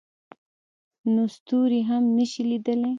نو ستوري هم نه شي لیدلی.